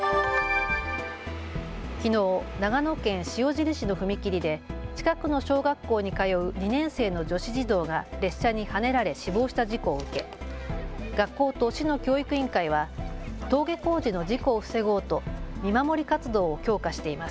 きのう、長野県塩尻市の踏切で近くの小学校に通う２年生の女子児童が列車にはねられ死亡した事故を受け、学校と市の教育委員会は登下校時の事故を防ごうと見守り活動を強化しています。